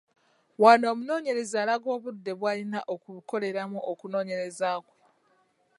Wano omunoonyereza alaga obudde bw'alina okukoleramu okunoonyereza kwe.